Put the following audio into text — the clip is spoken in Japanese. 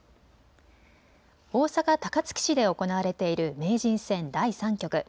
大阪高槻市で行われている名人戦第３局。